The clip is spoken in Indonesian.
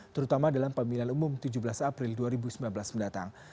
terutama dalam pemilihan umum tujuh belas april dua ribu sembilan belas mendatang